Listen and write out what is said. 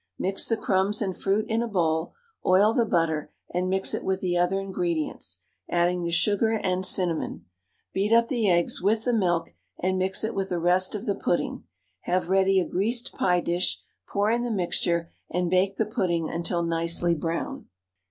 Mix the crumbs and fruit in a bowl, oil the butter and mix it with the other ingredients, adding the sugar and cinnamon; beat up the eggs with the milk, and mix it with the rest of the pudding; have ready a greased pie dish, pour in the mixture, and bake the pudding until nicely brown.